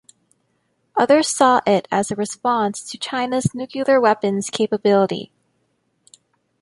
Others saw it as a response to China's nuclear weapons capability.